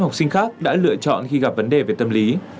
học sinh khác đã lựa chọn khi gặp vấn đề về tâm lý